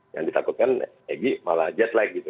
yang ditakutkan egy malah jet lag gitu